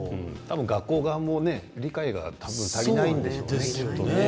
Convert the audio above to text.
学校側も理解が多分足りないんでしょうね。